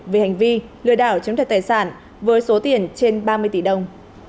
về hành vi lừa đảo chiếm thật tài sản với số tiền trên ba mươi tỷ đồng